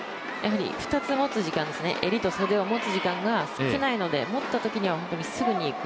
２つ持つ時間襟と袖を持つ時間少ないので持ったときには、すぐにいく。